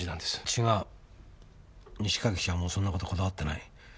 西川記者はもうそんな事こだわってない。